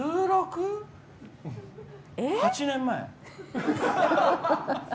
８年前？